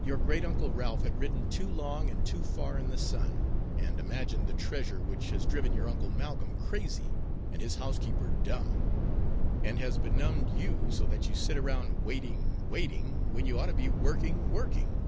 Your great uncle Ralph had ridden too long and too far in the sun, and imagined the treasure, which has driven your Uncle Malcolm crazy, and his housekeeper dumb, and has benumbed you so that you sit around waiting, waiting, when you ought to be working, working!